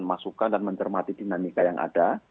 masukan dan mencermati dinamika yang ada